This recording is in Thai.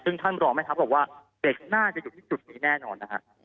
ซึ่งท่านรองแม่ทัพบอกว่าเด็กน่าจะอยู่ที่จุดนี้แน่นอนนะฮะ